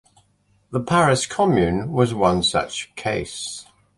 The Paris Commune was one such case.